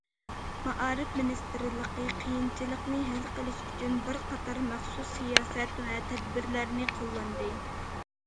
مائارىپ مىنىستىرلىقى قىيىنچىلىقنى ھەل قىلىش ئۈچۈن، بىر قاتار مەخسۇس سىياسەت ۋە تەدبىرلەرنى قوللاندى.